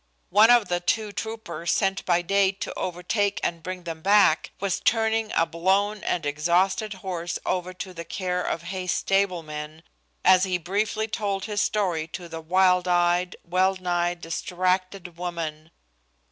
One of the two troopers sent by Dade to overtake and bring them back, was turning a blown and exhausted horse over to the care of Hay's stablemen, as he briefly told his story to the wild eyed, well nigh distracted woman.